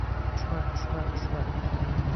– Dushman, dushman, dushman!